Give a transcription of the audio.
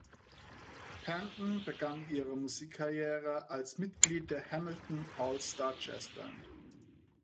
Panton begann ihre Musikkarriere als Mitglied der "Hamilton All Star Jazz Band".